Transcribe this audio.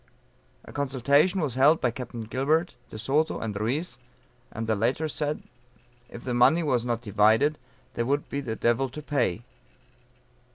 A consultation was held by Capt. Gilbert, De Soto, and Ruiz, and the latter said, if the money was not divided, "there would be the devil to pay."